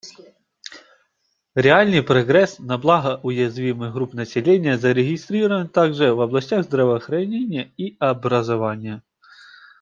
Реальный прогресс на благо уязвимых групп населения зарегистрирован также в областях здравоохранения и образования.